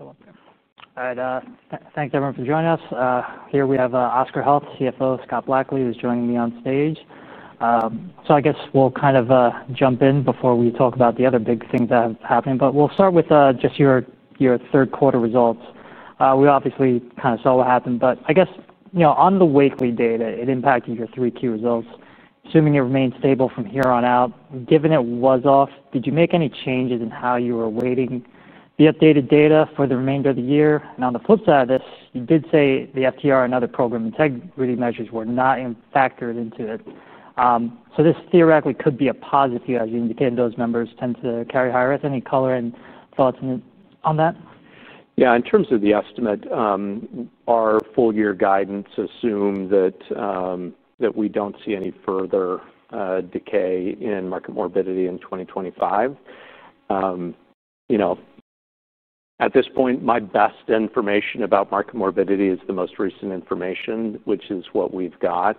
All right. Thanks, everyone, for joining us. Here we have Oscar Health, CFO, Scott Blackley, who's joining me on stage. I guess we'll kind of jump in before we talk about the other big things that have happened. We'll start with just your third-quarter results. We obviously kind of saw what happened. I guess on the weekly data, it impacted your third-quarter results. Assuming it remains stable from here on out, given it was off, did you make any changes in how you were weighting the updated data for the remainder of the year? On the flip side of this, you did say the FTR and other program integrity measures were not factored into it. This theoretically could be a positive here as you indicated those numbers tend to carry higher. If any color and thoughts on that? Yeah. In terms of the estimate, our full-year guidance assumed that we do not see any further decay in market morbidity in 2025. At this point, my best information about market morbidity is the most recent information, which is what we have got.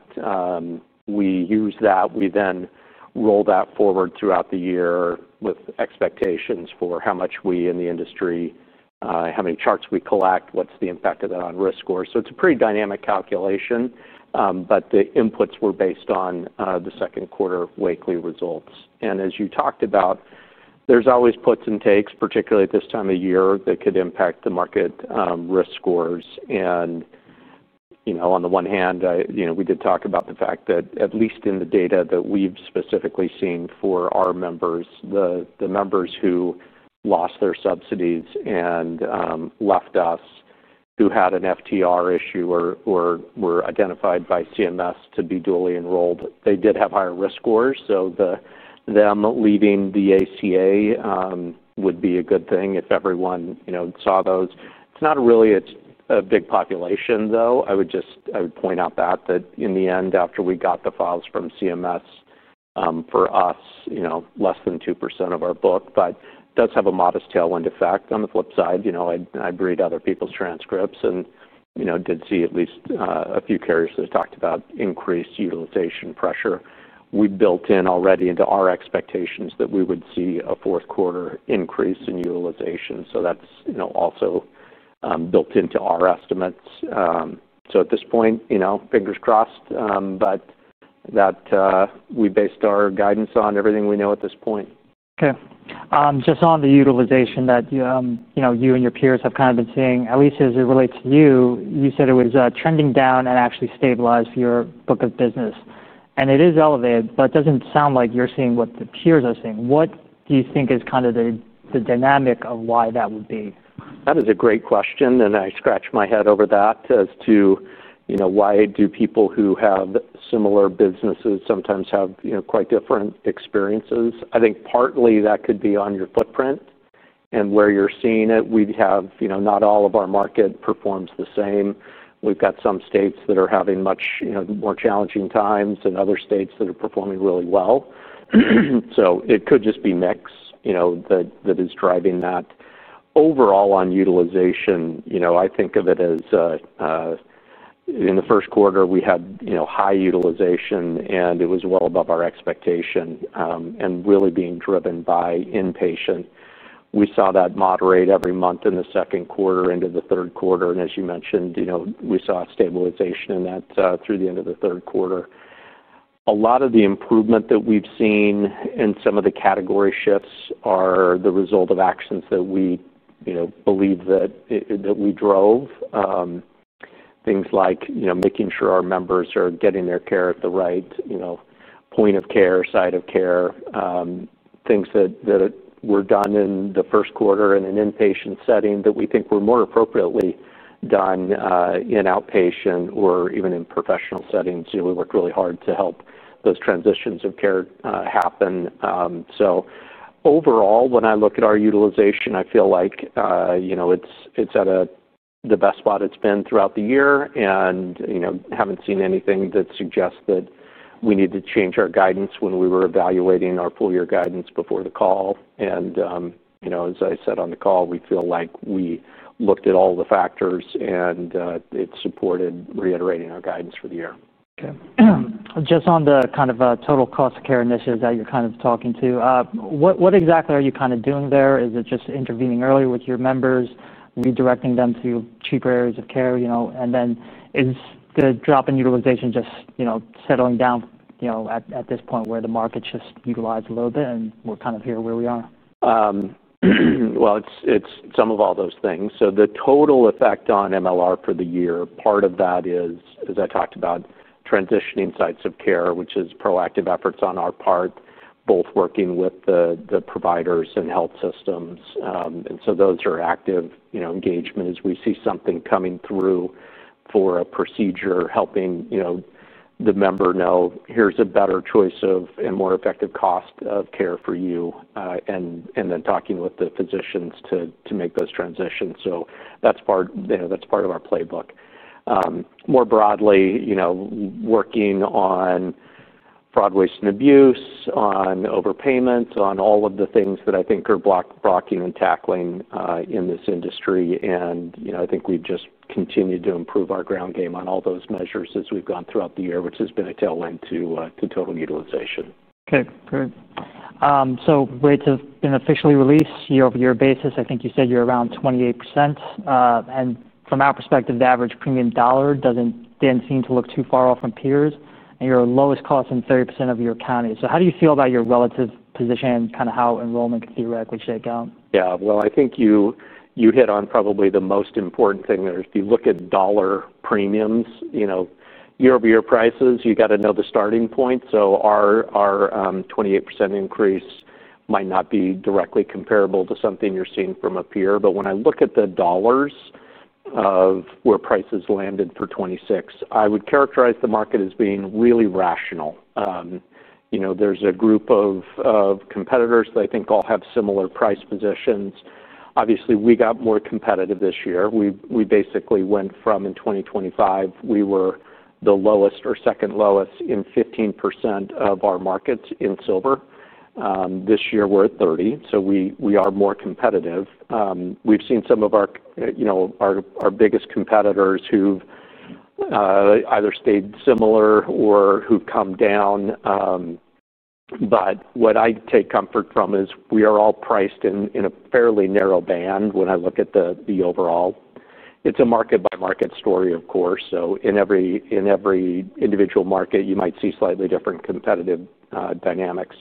We use that. We then roll that forward throughout the year with expectations for how much we in the industry, how many charts we collect, what is the impact of that on risk score. It is a pretty dynamic calculation. The inputs were based on the second-quarter weekly results. As you talked about, there are always puts and takes, particularly at this time of year, that could impact the market risk scores. On the one hand, we did talk about the fact that at least in the data that we've specifically seen for our members, the members who lost their subsidies and left us, who had an FTR issue or were identified by CMS to be dually enrolled, they did have higher risk scores. Them leaving the ACA would be a good thing if everyone saw those. It's not really a big population, though. I would point out that in the end, after we got the files from CMS, for us, less than 2% of our book. It does have a modest tailwind effect. On the flip side, I'd read other people's transcripts and did see at least a few carriers that talked about increased utilization pressure. We built in already into our expectations that we would see a fourth-quarter increase in utilization. That's also built into our estimates. At this point, fingers crossed that we based our guidance on everything we know at this point. Okay. Just on the utilization that you and your peers have kind of been seeing, at least as it relates to you, you said it was trending down and actually stabilized for your book of business. It is elevated, but it does not sound like you are seeing what the peers are seeing. What do you think is kind of the dynamic of why that would be? That is a great question. I scratch my head over that as to why do people who have similar businesses sometimes have quite different experiences. I think partly that could be on your footprint and where you are seeing it. We have not all of our market performs the same. We have got some states that are having much more challenging times and other states that are performing really well. It could just be mix that is driving that. Overall, on utilization, I think of it as in the first quarter, we had high utilization, and it was well above our expectation and really being driven by inpatient. We saw that moderate every month in the second quarter into the third quarter. As you mentioned, we saw stabilization in that through the end of the third quarter. A lot of the improvement that we've seen in some of the category shifts are the result of actions that we believe that we drove. Things like making sure our members are getting their care at the right point of care, site of care, things that were done in the first quarter in an inpatient setting that we think were more appropriately done in outpatient or even in professional settings. We worked really hard to help those transitions of care happen. Overall, when I look at our utilization, I feel like it's at the best spot it's been throughout the year. I haven't seen anything that suggests that we need to change our guidance when we were evaluating our full-year guidance before the call. As I said on the call, we feel like we looked at all the factors, and it supported reiterating our guidance for the year. Okay. Just on the kind of total cost of care initiatives that you're kind of talking to, what exactly are you kind of doing there? Is it just intervening earlier with your members, redirecting them to cheaper areas of care? Is the drop in utilization just settling down at this point where the market's just utilized a little bit and we're kind of here where we are? It is some of all those things. The total effect on MLR for the year, part of that is, as I talked about, transitioning sites of care, which is proactive efforts on our part, both working with the providers and health systems. Those are active engagement as we see something coming through for a procedure, helping the member know, "Here is a better choice of a more effective cost of care for you," and then talking with the physicians to make those transitions. That is part of our playbook. More broadly, working on fraud, waste, and abuse, on overpayments, on all of the things that I think are blocking and tackling in this industry. I think we have just continued to improve our ground game on all those measures as we have gone throughout the year, which has been a tailwind to total utilization. Okay. Great. Rates have been officially released year-over-year basis. I think you said you're around 28%. From our perspective, the average premium dollar doesn't seem to look too far off from peers. You're lowest cost in 30% of your accounting. How do you feel about your relative position and kind of how enrollment could theoretically shake out? Yeah. I think you hit on probably the most important thing there. If you look at dollar premiums, year-over-year prices, you got to know the starting point. Our 28% increase might not be directly comparable to something you're seeing from a peer. When I look at the dollars of where prices landed for 2026, I would characterize the market as being really rational. There's a group of competitors that I think all have similar price positions. Obviously, we got more competitive this year. We basically went from, in 2025, we were the lowest or second lowest in 15% of our markets in Silver. This year, we're at 30%. We are more competitive. We've seen some of our biggest competitors who've either stayed similar or who've come down. What I take comfort from is we are all priced in a fairly narrow band when I look at the overall. It is a market-by-market story, of course. In every individual market, you might see slightly different competitive dynamics.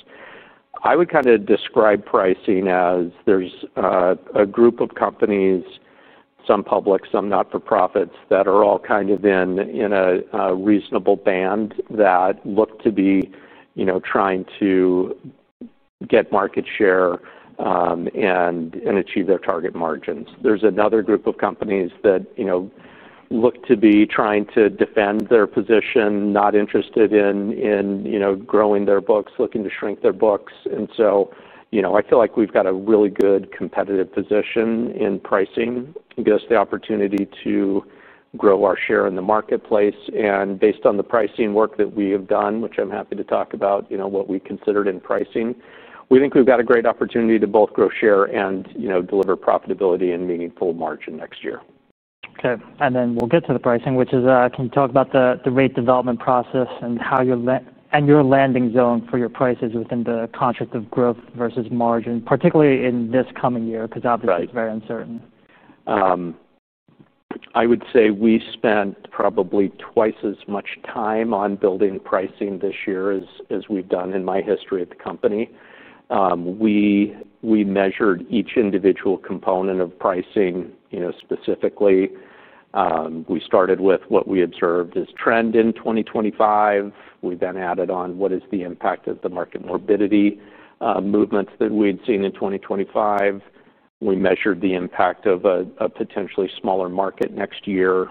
I would kind of describe pricing as there is a group of companies, some public, some not-for-profits, that are all kind of in a reasonable band that look to be trying to get market share and achieve their target margins. There is another group of companies that look to be trying to defend their position, not interested in growing their books, looking to shrink their books. I feel like we have got a really good competitive position in pricing. It gives us the opportunity to grow our share in the marketplace. Based on the pricing work that we have done, which I'm happy to talk about, what we considered in pricing, we think we've got a great opportunity to both grow share and deliver profitability and meaningful margin next year. Okay. And then we'll get to the pricing, which is can you talk about the rate development process and your landing zone for your prices within the contract of growth versus margin, particularly in this coming year because obviously, it's very uncertain? I would say we spent probably twice as much time on building pricing this year as we've done in my history at the company. We measured each individual component of pricing specifically. We started with what we observed as trend in 2025. We then added on what is the impact of the market morbidity movements that we'd seen in 2025. We measured the impact of a potentially smaller market next year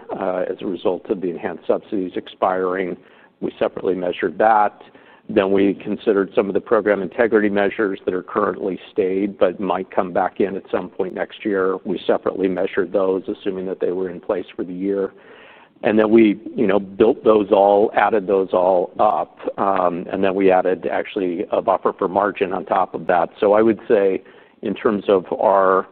as a result of the enhanced subsidies expiring. We separately measured that. We considered some of the program integrity measures that are currently stayed but might come back in at some point next year. We separately measured those, assuming that they were in place for the year. We built those all, added those all up. We added actually a buffer for margin on top of that. I would say in terms of our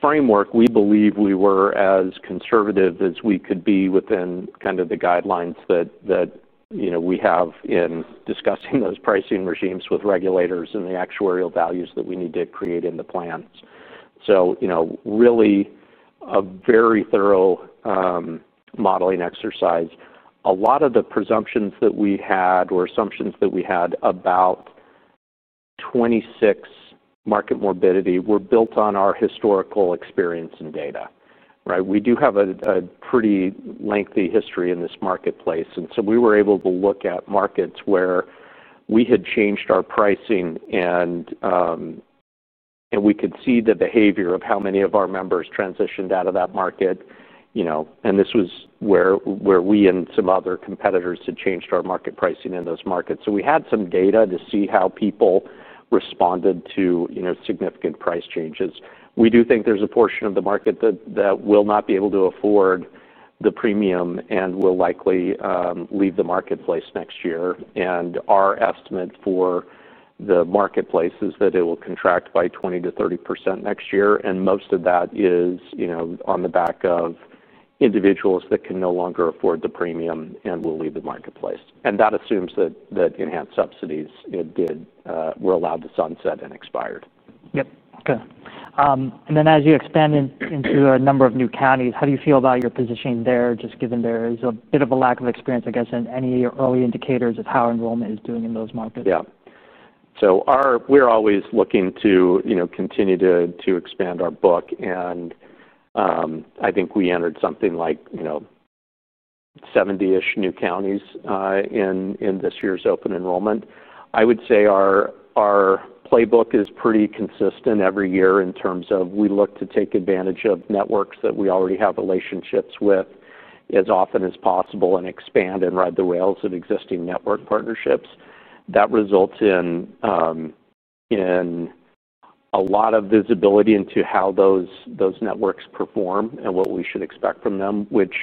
framework, we believe we were as conservative as we could be within kind of the guidelines that we have in discussing those pricing regimes with regulators and the actuarial values that we need to create in the plans. Really a very thorough modeling exercise. A lot of the presumptions that we had or assumptions that we had about 2026 market morbidity were built on our historical experience and data. We do have a pretty lengthy history in this marketplace. We were able to look at markets where we had changed our pricing, and we could see the behavior of how many of our members transitioned out of that market. This was where we and some other competitors had changed our market pricing in those markets. We had some data to see how people responded to significant price changes. We do think there's a portion of the market that will not be able to afford the premium and will likely leave the marketplace next year. Our estimate for the marketplace is that it will contract by 20-30% next year. Most of that is on the back of individuals that can no longer afford the premium and will leave the marketplace. That assumes that enhanced subsidies were allowed to sunset and expired. Yep. Okay. As you expand into a number of new counties, how do you feel about your positioning there, just given there is a bit of a lack of experience, I guess, in any of your early indicators of how enrollment is doing in those markets? Yeah. We are always looking to continue to expand our book. I think we entered something like 70-ish new counties in this year's open enrollment. I would say our playbook is pretty consistent every year in terms of we look to take advantage of networks that we already have relationships with as often as possible and expand and ride the rails of existing network partnerships. That results in a lot of visibility into how those networks perform and what we should expect from them, which,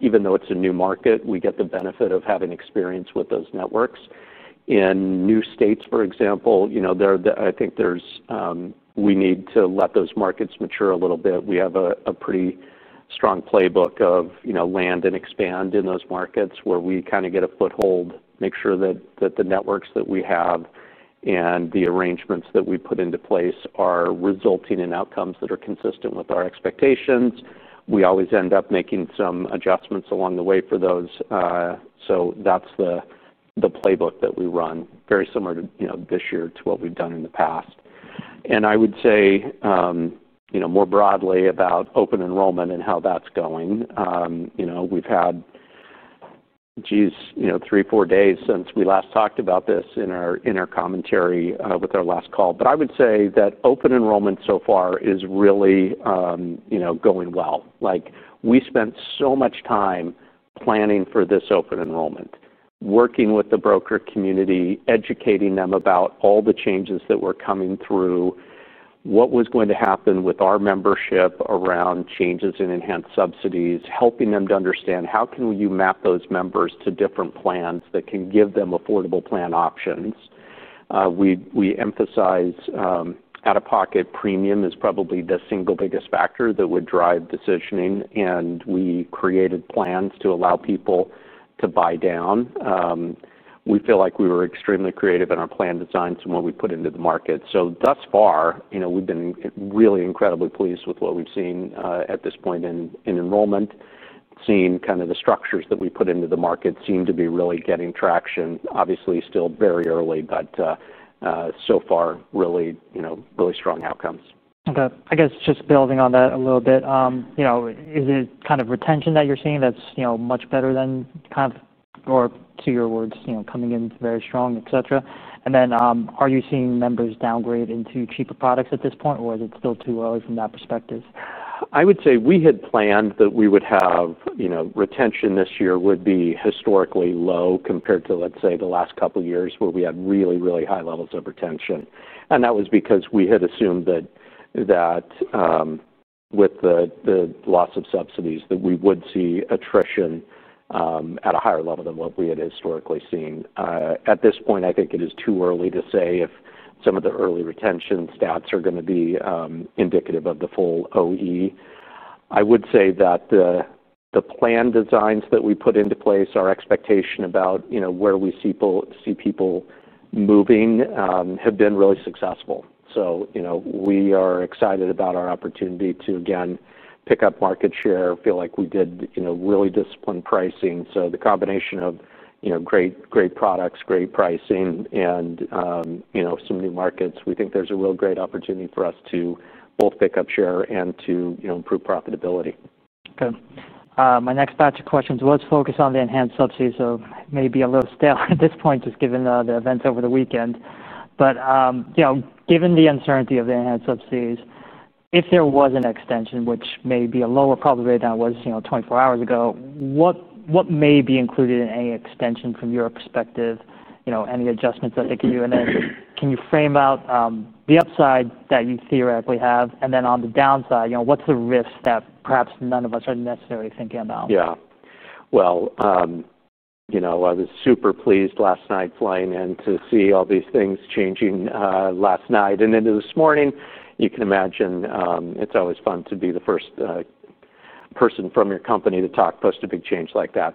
even though it is a new market, we get the benefit of having experience with those networks. In new states, for example, I think we need to let those markets mature a little bit. We have a pretty strong playbook of land and expand in those markets where we kind of get a foothold, make sure that the networks that we have and the arrangements that we put into place are resulting in outcomes that are consistent with our expectations. We always end up making some adjustments along the way for those. That is the playbook that we run, very similar to this year to what we have done in the past. I would say more broadly about open enrollment and how that is going. We have had, geez, three, four days since we last talked about this in our commentary with our last call. I would say that open enrollment so far is really going well. We spent so much time planning for this open enrollment, working with the broker community, educating them about all the changes that were coming through, what was going to happen with our membership around changes in enhanced subsidies, helping them to understand how can you map those members to different plans that can give them affordable plan options. We emphasize out-of-pocket premium is probably the single biggest factor that would drive decisioning. We created plans to allow people to buy down. We feel like we were extremely creative in our plan designs and what we put into the market. Thus far, we've been really incredibly pleased with what we've seen at this point in enrollment, seeing kind of the structures that we put into the market seem to be really getting traction. Obviously, still very early, but so far, really strong outcomes. Okay. I guess just building on that a little bit, is it kind of retention that you're seeing that's much better than kind of, or to your words, coming in very strong, etc.? Are you seeing members downgrade into cheaper products at this point, or is it still too early from that perspective? I would say we had planned that we would have retention this year would be historically low compared to, let's say, the last couple of years where we had really, really high levels of retention. That was because we had assumed that with the loss of subsidies that we would see attrition at a higher level than what we had historically seen. At this point, I think it is too early to say if some of the early retention stats are going to be indicative of the full OE. I would say that the plan designs that we put into place, our expectation about where we see people moving have been really successful. We are excited about our opportunity to, again, pick up market share, feel like we did really discipline pricing. The combination of great products, great pricing, and some new markets, we think there's a real great opportunity for us to both pick up share and to improve profitability. Okay. My next batch of questions was focused on the enhanced subsidies, so maybe a little stale at this point, just given the events over the weekend. Given the uncertainty of the enhanced subsidies, if there was an extension, which may be a lower probability than it was 24 hours ago, what may be included in any extension from your perspective, any adjustments that they can do? Can you frame out the upside that you theoretically have? On the downside, what's the risk that perhaps none of us are necessarily thinking about? Yeah. I was super pleased last night flying in to see all these things changing last night. This morning, you can imagine it's always fun to be the first person from your company to talk post a big change like that.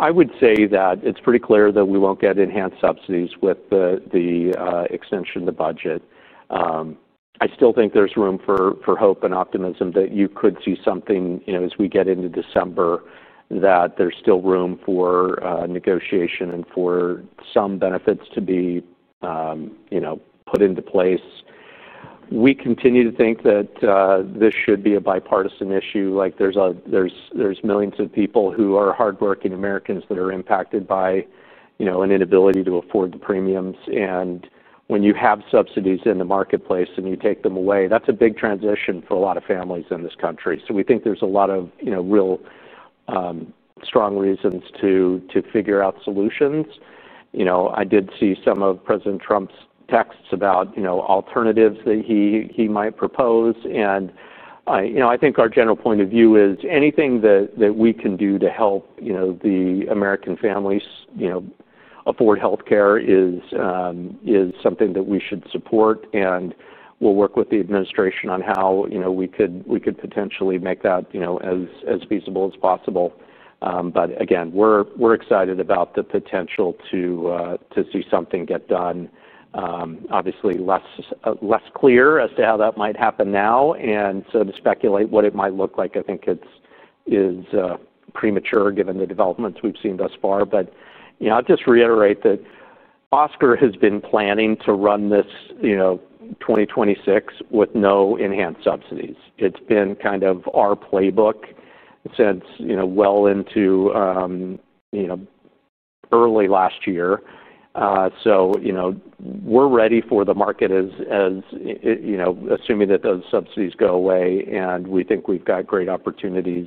I would say that it's pretty clear that we won't get enhanced subsidies with the extension of the budget. I still think there's room for hope and optimism that you could see something as we get into December, that there's still room for negotiation and for some benefits to be put into place. We continue to think that this should be a bipartisan issue. There's millions of people who are hardworking Americans that are impacted by an inability to afford the premiums. When you have subsidies in the marketplace and you take them away, that's a big transition for a lot of families in this country. We think there's a lot of real strong reasons to figure out solutions. I did see some of President Trump's texts about alternatives that he might propose. I think our general point of view is anything that we can do to help the American families afford healthcare is something that we should support. We'll work with the administration on how we could potentially make that as feasible as possible. Again, we're excited about the potential to see something get done. Obviously, less clear as to how that might happen now. To speculate what it might look like, I think it's premature given the developments we've seen thus far. I'll just reiterate that Oscar has been planning to run this 2026 with no enhanced subsidies. It's been kind of our playbook since well into early last year. We're ready for the market, assuming that those subsidies go away. We think we've got great opportunities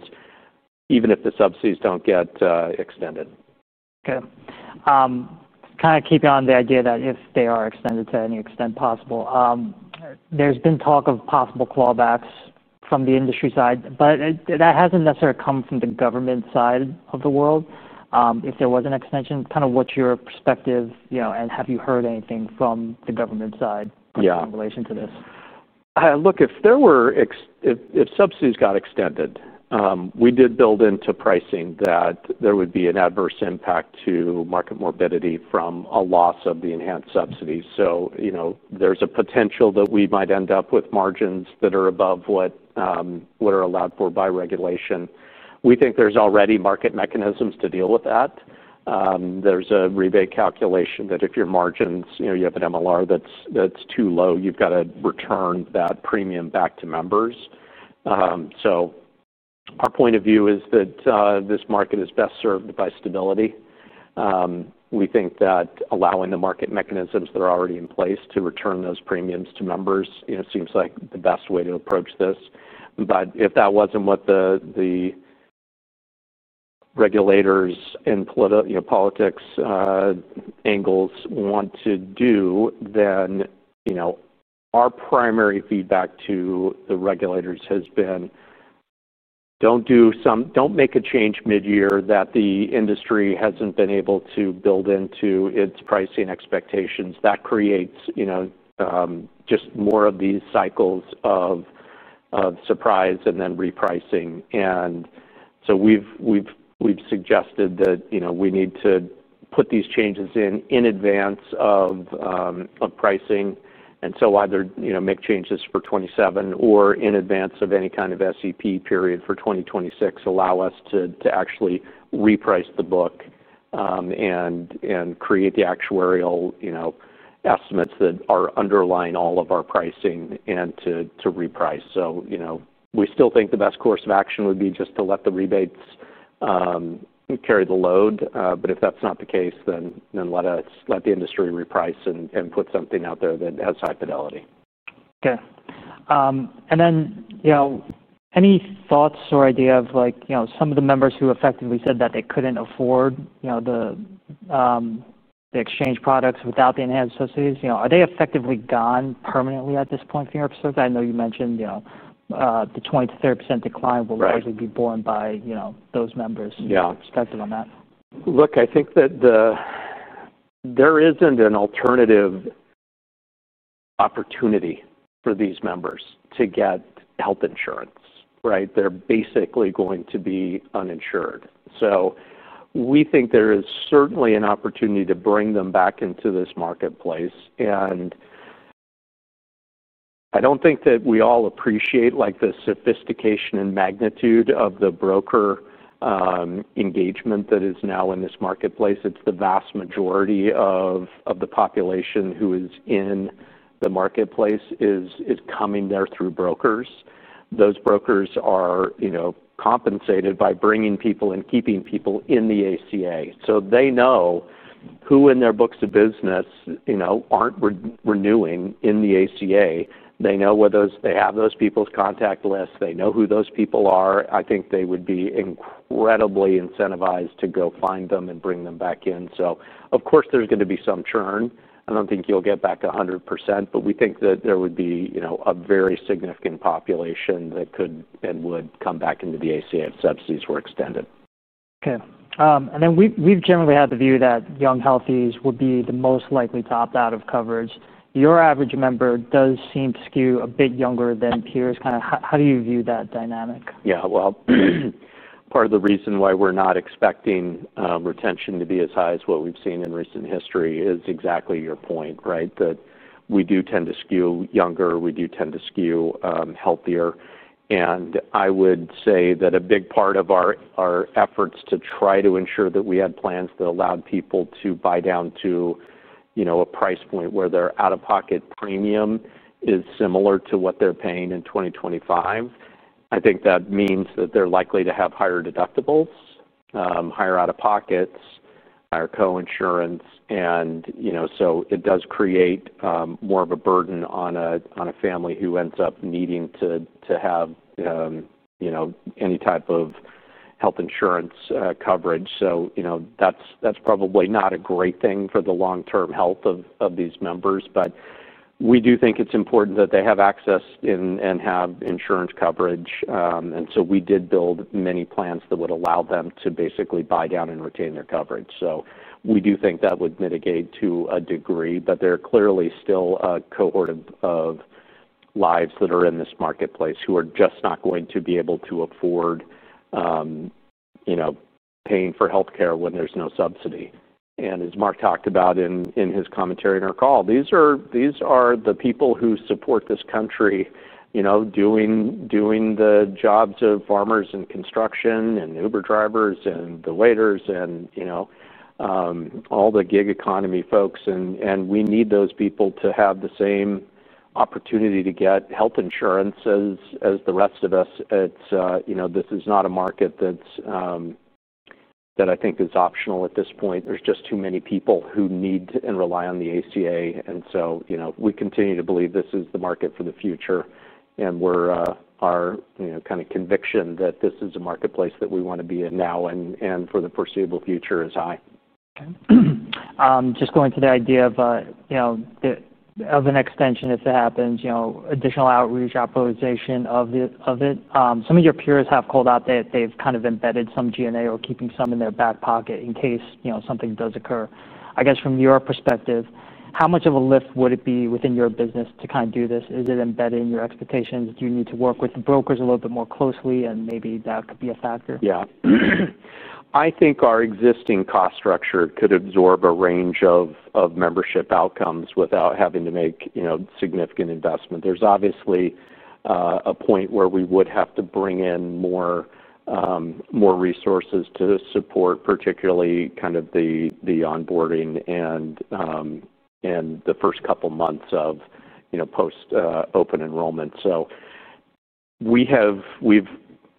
even if the subsidies don't get extended. Okay. Kind of keeping on the idea that if they are extended to any extent possible, there's been talk of possible clawbacks from the industry side, but that hasn't necessarily come from the government side of the world. If there was an extension, kind of what's your perspective? Have you heard anything from the government side in relation to this? Yeah. Look, if subsidies got extended, we did build into pricing that there would be an adverse impact to market morbidity from a loss of the enhanced subsidies. So there's a potential that we might end up with margins that are above what are allowed for by regulation. We think there's already market mechanisms to deal with that. There's a rebate calculation that if your margins, you have an MLR that's too low, you've got to return that premium back to members. Our point of view is that this market is best served by stability. We think that allowing the market mechanisms that are already in place to return those premiums to members seems like the best way to approach this. If that was not what the regulators and politics angles want to do, then our primary feedback to the regulators has been, "Don't make a change mid-year that the industry has not been able to build into its pricing expectations." That creates just more of these cycles of surprise and then repricing. We have suggested that we need to put these changes in advance of pricing. Either make changes for 2027 or in advance of any kind of SEP period for 2026 allow us to actually reprice the book and create the actuarial estimates that are underlying all of our pricing and to reprice. We still think the best course of action would be just to let the rebates carry the load. If that is not the case, then let the industry reprice and put something out there that has high fidelity. Okay. Any thoughts or idea of some of the members who effectively said that they could not afford the exchange products without the enhanced subsidies? Are they effectively gone permanently at this point from your perspective? I know you mentioned the 20%-30% decline will likely be borne by those members. Perspective on that? Look, I think that there isn't an alternative opportunity for these members to get health insurance, right? They're basically going to be uninsured. We think there is certainly an opportunity to bring them back into this marketplace. I don't think that we all appreciate the sophistication and magnitude of the broker engagement that is now in this marketplace. It's the vast majority of the population who is in the marketplace is coming there through brokers. Those brokers are compensated by bringing people and keeping people in the ACA. They know who in their books of business aren't renewing in the ACA. They know they have those people's contact lists. They know who those people are. I think they would be incredibly incentivized to go find them and bring them back in. Of course, there's going to be some churn. I don't think you'll get back 100%, but we think that there would be a very significant population that could and would come back into the ACA if subsidies were extended. Okay. We've generally had the view that young healthies would be the most likely topped out of coverage. Your average member does seem to skew a bit younger than peers. Kind of how do you view that dynamic? Yeah. Part of the reason why we're not expecting retention to be as high as what we've seen in recent history is exactly your point, right? That we do tend to skew younger. We do tend to skew healthier. I would say that a big part of our efforts to try to ensure that we had plans that allowed people to buy down to a price point where their out-of-pocket premium is similar to what they're paying in 2025. I think that means that they're likely to have higher deductibles, higher out-of-pockets, higher co-insurance. It does create more of a burden on a family who ends up needing to have any type of health insurance coverage. That's probably not a great thing for the long-term health of these members. We do think it's important that they have access and have insurance coverage. We did build many plans that would allow them to basically buy down and retain their coverage. We do think that would mitigate to a degree. There are clearly still a cohort of lives that are in this marketplace who are just not going to be able to afford paying for healthcare when there is no subsidy. As Mark talked about in his commentary in our call, these are the people who support this country doing the jobs of farmers and construction and Uber drivers and the waiters and all the gig economy folks. We need those people to have the same opportunity to get health insurance as the rest of us. This is not a market that I think is optional at this point. There are just too many people who need and rely on the ACA. We continue to believe this is the market for the future. Our kind of conviction that this is a marketplace that we want to be in now and for the foreseeable future is high. Okay. Just going to the idea of an extension if it happens, additional outreach, outpolicing of it. Some of your peers have called out that they've kind of embedded some G&A or keeping some in their back pocket in case something does occur. I guess from your perspective, how much of a lift would it be within your business to kind of do this? Is it embedded in your expectations? Do you need to work with the brokers a little bit more closely? Maybe that could be a factor. Yeah. I think our existing cost structure could absorb a range of membership outcomes without having to make significant investment. There's obviously a point where we would have to bring in more resources to support, particularly kind of the onboarding and the first couple of months of post-open enrollment. We have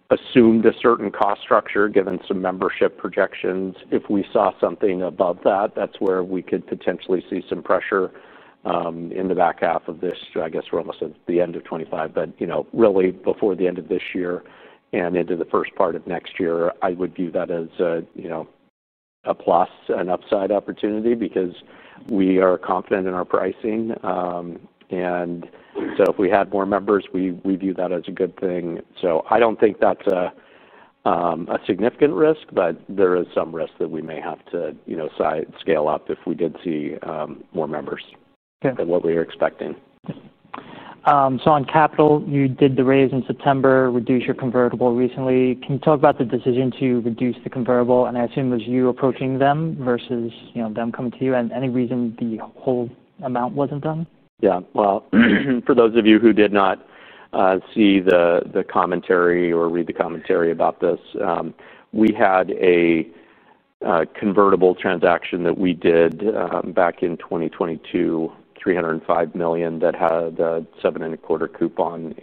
assumed a certain cost structure given some membership projections. If we saw something above that, that's where we could potentially see some pressure in the back half of this. I guess we're almost at the end of 2025, but really before the end of this year and into the first part of next year, I would view that as a plus and upside opportunity because we are confident in our pricing. If we had more members, we view that as a good thing. I don't think that's a significant risk, but there is some risk that we may have to scale up if we did see more members than what we are expecting. On capital, you did the raise in September, reduce your convertible recently. Can you talk about the decision to reduce the convertible? I assume it was you approaching them versus them coming to you. Any reason the whole amount was not done? Yeah. For those of you who did not see the commentary or read the commentary about this, we had a convertible transaction that we did back in 2022, $305 million, that had a seven and a quarter coupon.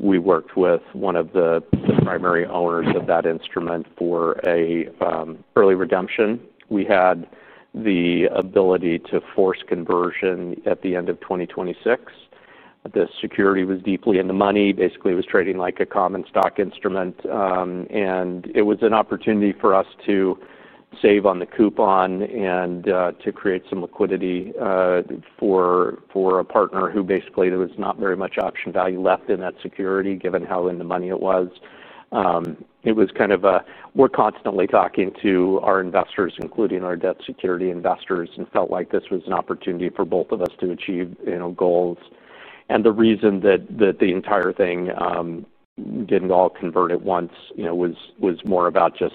We worked with one of the primary owners of that instrument for an early redemption. We had the ability to force conversion at the end of 2026. The security was deeply in the money. Basically, it was trading like a common stock instrument. It was an opportunity for us to save on the coupon and to create some liquidity for a partner who basically there was not very much option value left in that security given how in the money it was. It was kind of a we're constantly talking to our investors, including our debt security investors, and felt like this was an opportunity for both of us to achieve goals. The reason that the entire thing didn't all convert at once was more about just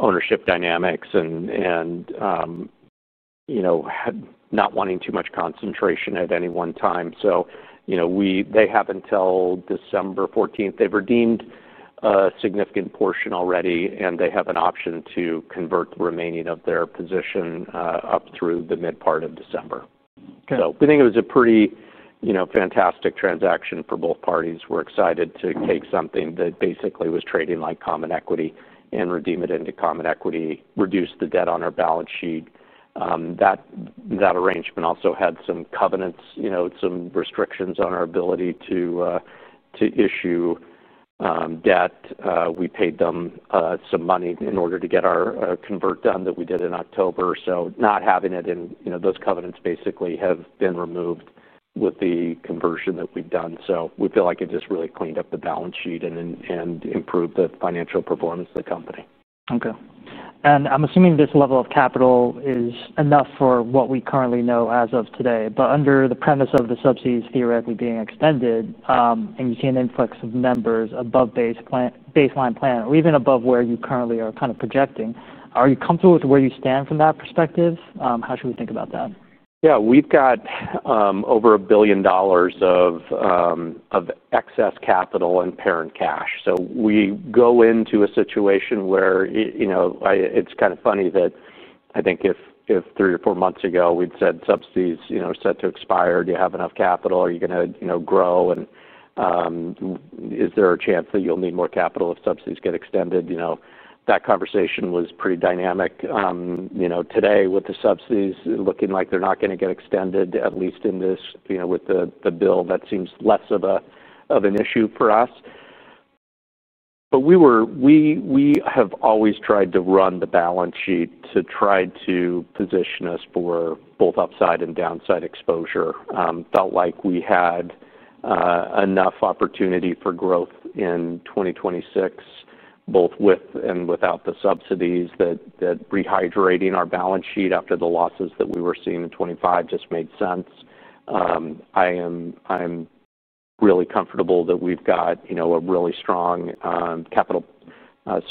ownership dynamics and not wanting too much concentration at any one time. They have until December 14th. They've redeemed a significant portion already, and they have an option to convert the remaining of their position up through the mid part of December. We think it was a pretty fantastic transaction for both parties. We're excited to take something that basically was trading like common equity and redeem it into common equity, reduce the debt on our balance sheet. That arrangement also had some covenants, some restrictions on our ability to issue debt. We paid them some money in order to get our convert done that we did in October. Not having it in those covenants basically has been removed with the conversion that we've done. We feel like it just really cleaned up the balance sheet and improved the financial performance of the company. Okay. I'm assuming this level of capital is enough for what we currently know as of today. Under the premise of the subsidies theoretically being extended and you see an influx of members above baseline plan or even above where you currently are kind of projecting, are you comfortable with where you stand from that perspective? How should we think about that? Yeah. We've got over $1 billion of excess capital and parent cash. We go into a situation where it's kind of funny that I think if three or four months ago we'd said subsidies are set to expire, do you have enough capital? Are you going to grow? Is there a chance that you'll need more capital if subsidies get extended? That conversation was pretty dynamic. Today, with the subsidies looking like they're not going to get extended, at least with the bill, that seems less of an issue for us. We have always tried to run the balance sheet to try to position us for both upside and downside exposure. Felt like we had enough opportunity for growth in 2026, both with and without the subsidies. That rehydrating our balance sheet after the losses that we were seeing in 2025 just made sense. I'm really comfortable that we've got a really strong capital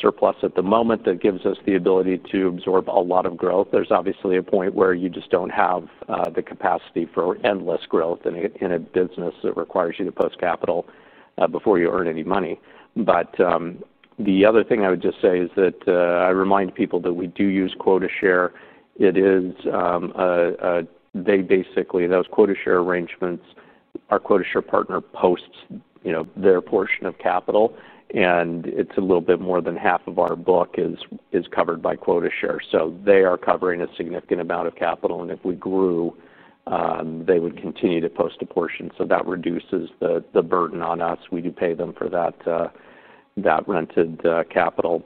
surplus at the moment that gives us the ability to absorb a lot of growth. There's obviously a point where you just don't have the capacity for endless growth in a business that requires you to post capital before you earn any money. The other thing I would just say is that I remind people that we do use quota share. It is, they basically, those quota share arrangements, our quota share partner posts their portion of capital. It's a little bit more than half of our book is covered by quota share. They are covering a significant amount of capital. If we grew, they would continue to post a portion. That reduces the burden on us. We do pay them for that rented capital.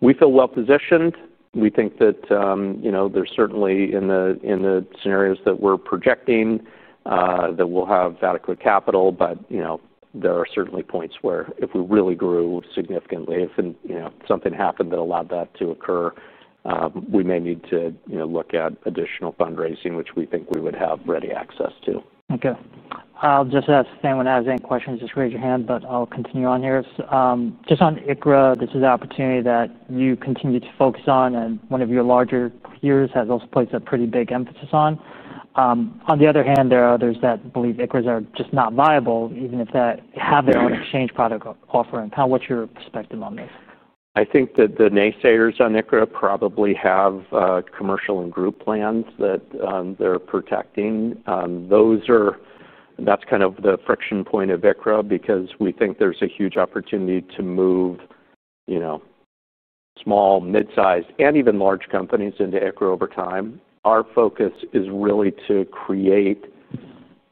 We feel well-positioned. We think that there's certainly in the scenarios that we're projecting that we'll have adequate capital. There are certainly points where if we really grew significantly, if something happened that allowed that to occur, we may need to look at additional fundraising, which we think we would have ready access to. Okay. I'll just ask the same when I have any questions. Just raise your hand, but I'll continue on here. Just on ICRA, this is an opportunity that you continue to focus on, and one of your larger peers has also placed a pretty big emphasis on. On the other hand, there are others that believe ICRAs are just not viable, even if they have their own exchange product offering. Kind of what's your perspective on this? I think that the naysayers on ICRA probably have commercial and group plans that they're protecting. That's kind of the friction point of ICRA because we think there's a huge opportunity to move small, mid-sized, and even large companies into ICRA over time. Our focus is really to create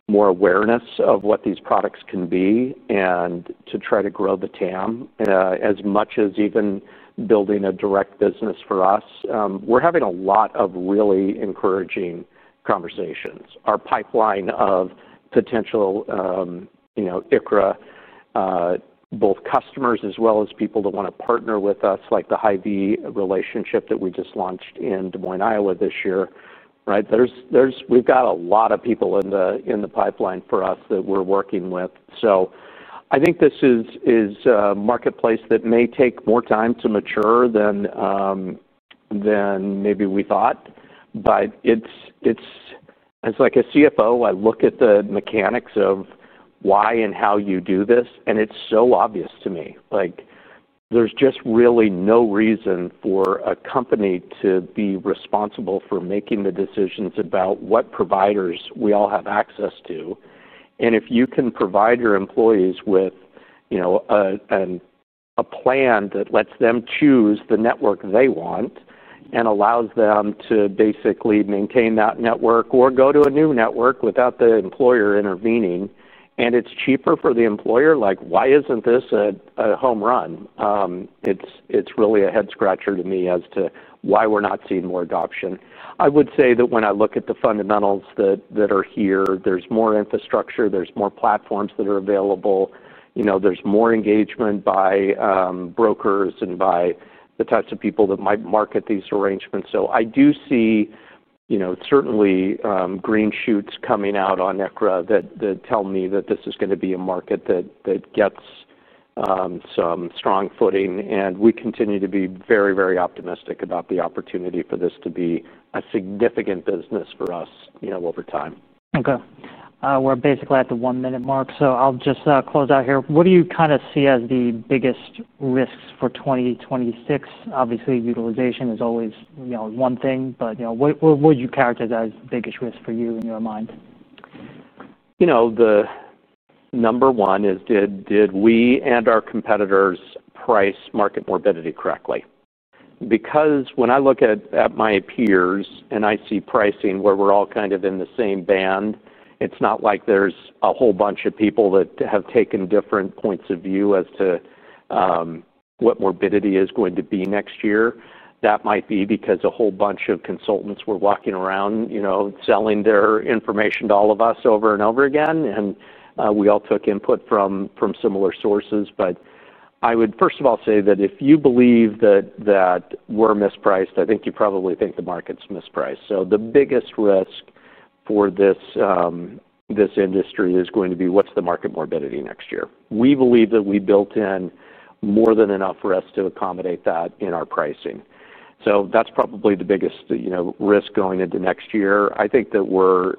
more awareness of what these products can be and to try to grow the TAM. As much as even building a direct business for us, we're having a lot of really encouraging conversations. Our pipeline of potential ICRA both customers as well as people that want to partner with us, like the Hy-Vee relationship that we just launched in Des Moines, Iowa this year, right? We've got a lot of people in the pipeline for us that we're working with. I think this is a marketplace that may take more time to mature than maybe we thought. As a CFO, I look at the mechanics of why and how you do this, and it's so obvious to me. There's just really no reason for a company to be responsible for making the decisions about what providers we all have access to. If you can provide your employees with a plan that lets them choose the network they want and allows them to basically maintain that network or go to a new network without the employer intervening, and it's cheaper for the employer, why isn't this a home run? It's really a head-scratcher to me as to why we're not seeing more adoption. I would say that when I look at the fundamentals that are here, there's more infrastructure, there's more platforms that are available, there's more engagement by brokers and by the types of people that might market these arrangements. I do see certainly green shoots coming out on ICRA that tell me that this is going to be a market that gets some strong footing. We continue to be very, very optimistic about the opportunity for this to be a significant business for us over time. Okay. We're basically at the one-minute mark, so I'll just close out here. What do you kind of see as the biggest risks for 2026? Obviously, utilization is always one thing, but what would you characterize as the biggest risk for you in your mind? The number one is, did we and our competitors price market morbidity correctly? Because when I look at my peers and I see pricing where we're all kind of in the same band, it's not like there's a whole bunch of people that have taken different points of view as to what morbidity is going to be next year. That might be because a whole bunch of consultants were walking around selling their information to all of us over and over again. And we all took input from similar sources. I would, first of all, say that if you believe that we're mispriced, I think you probably think the market's mispriced. The biggest risk for this industry is going to be, what's the market morbidity next year? We believe that we built in more than enough for us to accommodate that in our pricing. That's probably the biggest risk going into next year. I think that we're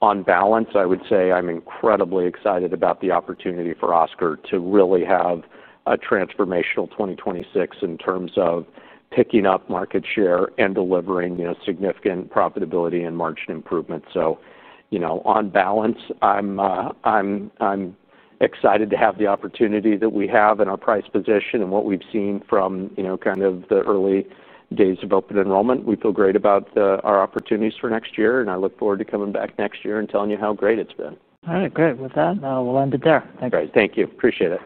on balance. I would say I'm incredibly excited about the opportunity for Oscar to really have a transformational 2026 in terms of picking up market share and delivering significant profitability and margin improvement. On balance, I'm excited to have the opportunity that we have and our price position and what we've seen from kind of the early days of open enrollment. We feel great about our opportunities for next year, and I look forward to coming back next year and telling you how great it's been. All right. Great. With that, we'll end it there. Thanks. All right. Thank you. Appreciate it.